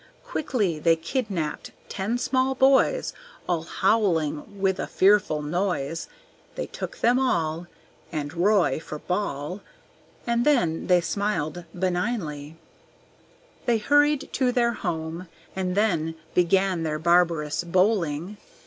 Quickly they kidnapped ten small boys, All howling with a fearful noise; They took them all, And Roy for ball, And then they smiled benignly. They hurried to their home and then Began their barbarous bowling.